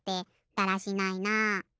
だらしないなあ。